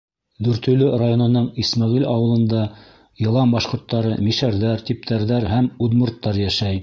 Дүртөйлө районының Исмәғил ауылында йылан башҡорттары, мишәрҙәр, типтәрҙәр һәм удмурттар йәшәй.